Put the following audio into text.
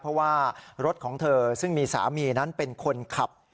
เพราะว่ารถของเธอซึ่งมีสามีนั้นเป็นคนขับ